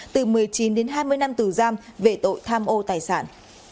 từ một mươi chín đến hai mươi năm tù giam về tội tham ô tài sản